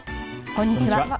こんにちは。